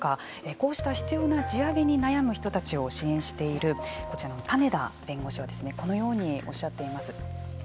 こうした執ような地上げに悩む人たちを支援しているこちらの種田弁護士はこのようにおっしゃっています。